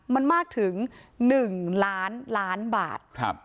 มันมากถึง๑ล้านล้านบาท